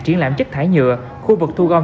triển lãm chất thải nhựa khu vực thu gom